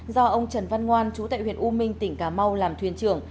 do ông trần văn ngoan chú tại huyện u minh tỉnh cà mau làm thuyền trưởng